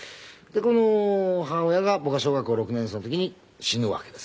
この母親が僕が小学校６年生の時に死ぬわけです。